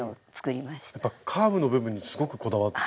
カーブの部分にすごくこだわって。